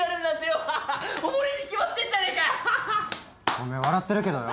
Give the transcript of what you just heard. おめえ笑ってるけどよ